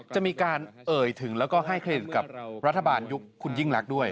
จะมีการเอ่ยถึงแล้วก็ให้เครดิตกับรัฐบาลยุคคุณยิ่งรักด้วย